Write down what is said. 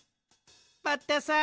バッタさん？